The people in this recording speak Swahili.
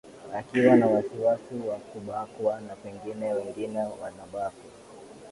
akiwa na wasiwasi wa kubakwa na pengine wengine wanabakwa